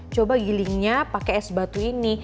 coba gilingnya pakai es batu ini